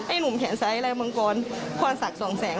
ไอ้หนุ่มแขนซ้ายและมังกรพรศักดิ์ส่องแสง